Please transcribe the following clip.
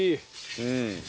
うん。